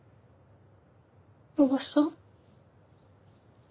おばさん。